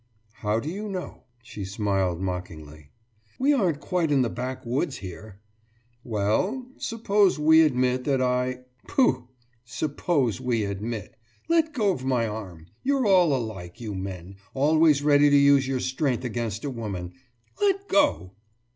« »How do you know?« She smiled mockingly. »We aren't quite in the backwoods here.« »Well, suppose we admit that I....« »Pooh, suppose we admit! Let go of my arm! You're all alike, you men, always ready to use your strength against a woman. Let go!